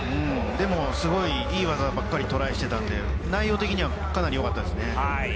でもすごくいい技ばかりトライしてたので、内容的にはよかったですね。